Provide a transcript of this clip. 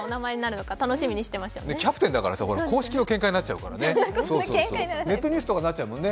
キャプテンだからさ、公式の見解になっちゃうもんね。